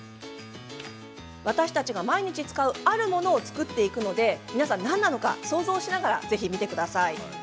私たちが毎日使うあるものを作っていくので何なのか、想像しながらご覧ください。